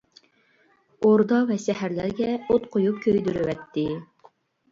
ئوردا ۋە شەھەرلەرگە ئوت قۇيۇپ كۆيدۈرۈۋەتتى.